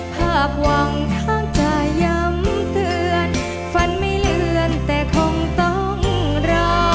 ภาพหวังข้างจะย้ำเตือนฝันไม่เลื่อนแต่คงต้องรอ